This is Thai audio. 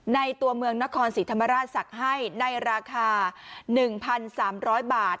ในตัวเมืองนครศรีธรรมราชศักดิ์ให้ในราคา๑๓๐๐บาท